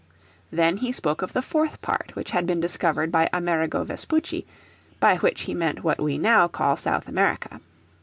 Then he spoke of the fourth part which had been discovered by Amerigo Vespucci, by which he meant what we now call South America.